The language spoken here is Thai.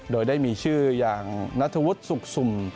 โดยได้มีชื่ออย่างนัทวุฒิสุขสุ่ม